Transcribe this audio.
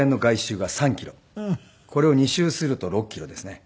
これを２周すると６キロですね。